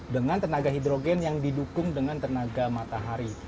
dengan tenaga hidrogen yang didukung dengan tenaga matahari